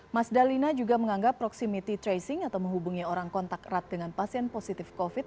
mas dhani juga menganggap proximity tracing atau menghubungi orang kontak rat dengan pasien positif covid sembilan belas